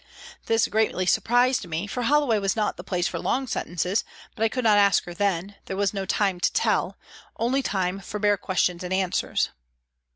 This greatly surprised me, for Holloway was not the place for long sentences, but I could not ask her then, there was not time to tell, only time for bare questions and answers.